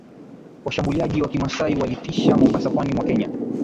washambuliaji Wa kimasai walitishia Mombasa pwani mwa Kenya